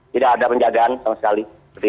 tidak ada penjagaan sama sekali